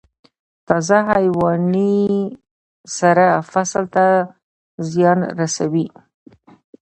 تازه حیواني سره فصل ته زیان رسوي؟